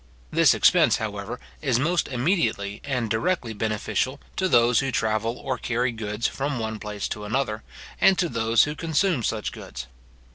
This expense, however, is most immediately and directly beneficial to those who travel or carry goods from one place to another, and to those who consume such goods.